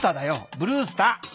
ブルースター。